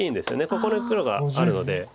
ここに黒があるので。